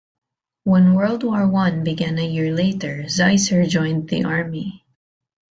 When World War One began a year later, Zaisser joined the army.